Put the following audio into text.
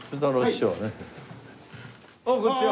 あっこんにちは。